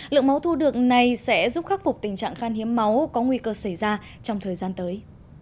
lượng máu thu được này sẽ giúp khắc phục tình trạng khan hiếm máu có nguy cơ xảy ra trong thời gian tới